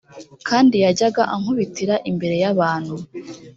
kandi yajyaga ankubitira imbere y abantu